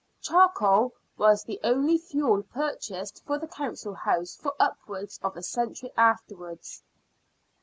Charcoal was the only fuel purchased for the Council House for upwards of a century aftenvards.